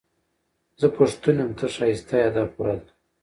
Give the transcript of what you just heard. زه پښتون يم، ته ښايسته يې، دا پوره ده